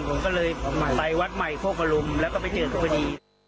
ผมก็เลยไปวัดใหม่โคกมรุมแล้วก็ไปเจอเขาพอดี